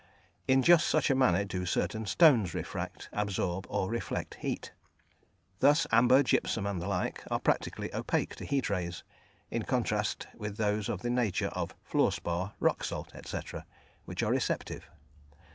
In just such manner do certain stones refract, absorb, or reflect heat; thus amber, gypsum, and the like, are practically opaque to heat rays, in contrast with those of the nature of fluorspar, rock salt, &c., which are receptive.